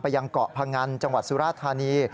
ยังเกาะพงันจังหวัดสุราธานี